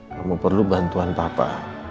kamu perlu bantuan papa